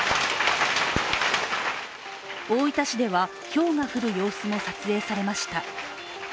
大分市では、ひょうが降る様子も撮影されました。